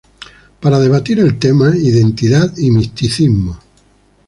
Para debatir el tema Identidad y misticismo.